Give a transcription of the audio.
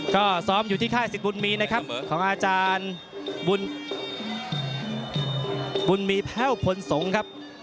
ก็ซ้อมอยู่ที่ค่ายสิทธิบุญมีนะครับของอาจารย์บุญมีแพ่วพลสงฆ์ครับ